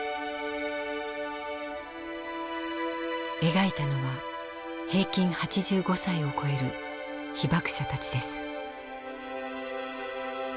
描いたのは平均８５歳をこえる被爆者たちです。